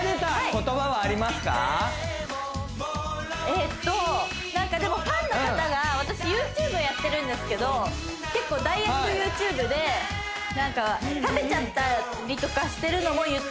えっとでもファンの方が私ＹｏｕＴｕｂｅやってるんですけど結構ダイエットＹｏｕＴｕｂｅで食べちゃったりとかしてるのも言ってるんですけど